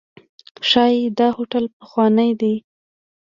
ښایي دا هوټل پخوانی دی.